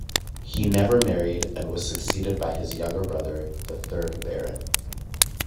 He never married and was succeeded by his younger brother, the third Baron.